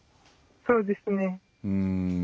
そうですね。